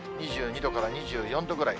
２２度から２４度ぐらい。